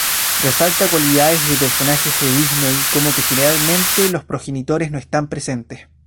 Resalta cualidades de personajes de Disney como que generalmente los progenitores no están presentes.